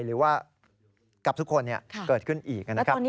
หรือว่ากับทุกคนเกิดขึ้นอีกนะครับ